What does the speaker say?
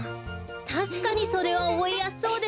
たしかにそれはおぼえやすそうですね。